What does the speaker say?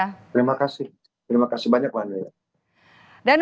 terima kasih terima kasih banyak pak andrea